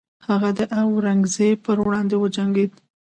هغه د اورنګزیب پر وړاندې وجنګید.